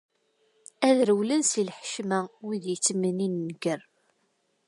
Ad rewlen si lḥecma wid i y-ittmennin nnger.